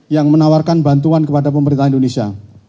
yang menawarkan bantuan kepada pemerintah indonesia